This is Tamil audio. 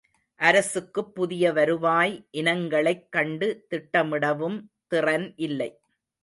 அரசுக்குப் புதிய வருவாய் இனங்களைக் கண்டு திட்டமிடவும் திறன் இல்லை.